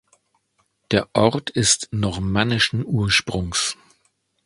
Der Ort ist normannischen Ursprungs.